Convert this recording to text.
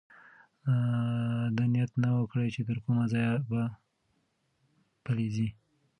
ده نیت نه و کړی چې تر کومه ځایه به پلی ځي.